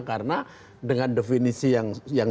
karena dengan definisi yang